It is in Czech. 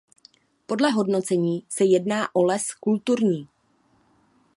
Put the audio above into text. Podle hodnocení se jedná o les kulturní.